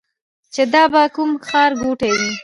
چې دا به کوم ښار ګوټی وي.